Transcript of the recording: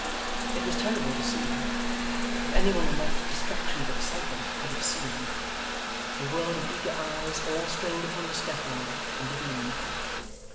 It was terrible to see if any one in that distraction of excitement could have seen the world of eager eyes, all strained upon the scaffold and the beam.